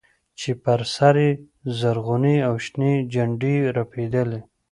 چې پر سر يې زرغونې او شنې جنډې رپېدلې.